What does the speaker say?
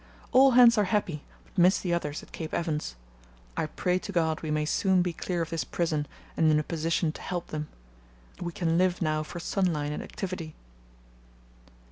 All hands are happy, but miss the others at Cape Evans. I pray to God we may soon be clear of this prison and in a position to help them. We can live now for sunlight and activity.